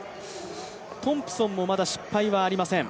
トンプソンもまだ失敗はありません。